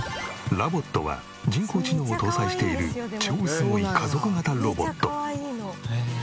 ＬＯＶＯＴは人工知能を搭載している超すごい家族型ロボット。